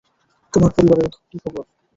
তোমার পরিবারের কি খবর?